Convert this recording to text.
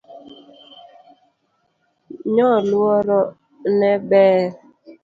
Nyoluoro ne ber